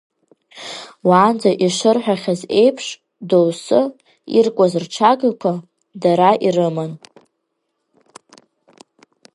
Уаанӡа ишырҳәахьаз еиԥш, доусы, иркуаз рҽагақәа, дара ирыман.